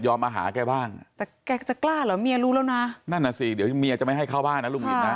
้ย่อมาหาแกบ้างแต่จะอ่ะเมียรู้น้ำไหนน่ะสิเดี๋ยวเมียจะไม่ให้เข้าบ้านหรู